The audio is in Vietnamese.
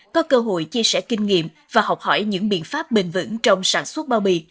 có cơ hội chia sẻ kinh nghiệm và học hỏi những biện pháp bền vững trong sản xuất bao bì